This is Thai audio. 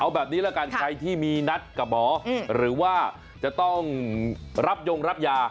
เอาแบบนี้ละกันใครที่มีนัดกับหมอหรือว่าจะต้องรับยงรับยา